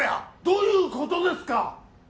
どういうことですか！？